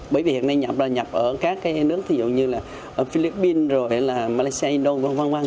bởi vì hiện nay nhập là nhập ở các cái nước ví dụ như là ở philippines rồi là malaysia indonesia v v